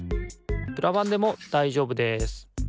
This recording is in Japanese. プラバンでもだいじょうぶです。